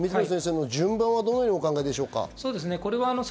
順番はどうお考えでしょうか？